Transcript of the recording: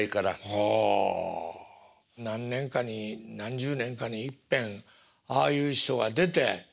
何年かに何十年かにいっぺんああいう人が出て。